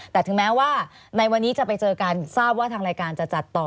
แต่ถึงแม้ว่าในวันนี้จะไปเจอกันทราบว่าทางรายการจะจัดต่อ